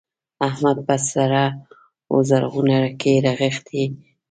احمد په سره و زرغونه کې رغښتی دی.